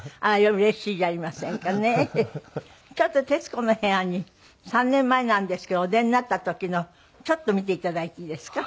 ちょっと『徹子の部屋』に３年前なんですけどお出になった時のをちょっと見て頂いていいですか？